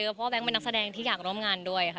เพราะแบงค์เป็นนักแสดงที่อยากร่วมงานด้วยค่ะ